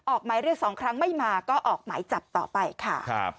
ออกหมายเรียกสองครั้งไม่มาก็ออกหมายจับต่อไปค่ะ